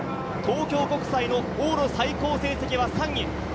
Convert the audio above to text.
東京国際の往路最高成績は３位。